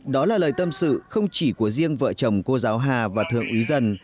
đó là lời tâm sự không chỉ của riêng vợ chồng cô giáo hà và thượng úy dần